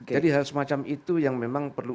jadi hal semacam itu yang memang perlu